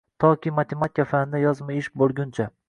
Toki matematika fanidan yozma ish bo`lguncha